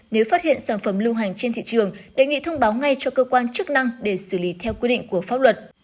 nếu phát hiện sản phẩm lưu hành trên thị trường đề nghị thông báo ngay cho cơ quan chức năng để xử lý theo quy định của pháp luật